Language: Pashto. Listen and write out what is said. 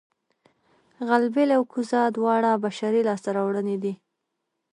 غلبېل او کوزه دواړه بشري لاسته راوړنې دي